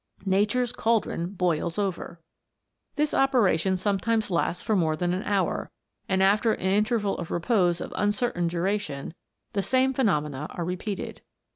Nature's cauldron boils over ! This operation sometimes lasts for more than an hour, and after an interval of repose of uncertain duration, the same phenomena are repeated.